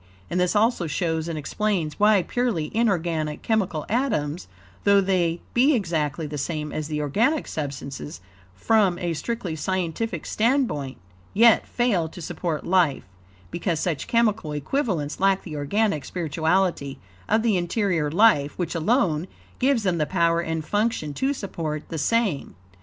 And this also shows and explains, why purely inorganic chemical atoms, though they be exactly the same as the organic substances, from a strictly scientific standpoint, YET FAIL TO SUPPORT LIFE, because such chemical equivalents lack the organic spirituality of the interior life, which alone, gives them the power and function to support the same.